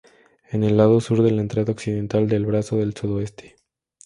En el lado sur de la entrada occidental del brazo del Sudoeste.